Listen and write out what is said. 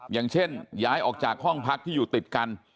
อย่างเช่นย้ายออกจากห้องพักที่อยู่ติดกัน